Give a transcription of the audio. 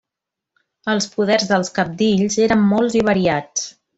Els poders dels cabdills eren molts i variats.